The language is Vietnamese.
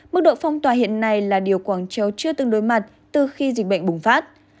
mức độ phong tỏa hiện nay là điều quảng châu chưa tương đối mặt từ khi dịch bệnh bùng phát